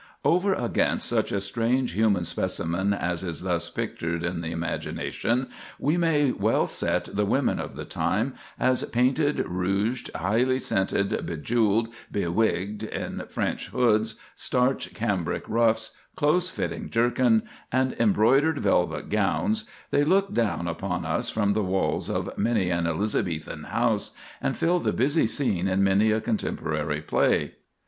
Over against such a strange human specimen as is thus pictured in the imagination, we may well set the women of the time, as painted, rouged, highly scented, bejewelled, bewigged, in French hoods, starched Cambric ruffs, close fitting jerkins, and embroidered velvet gowns, they look down upon us from the walls of many an Elizabethan house, and fill the busy scene in many a contemporary play.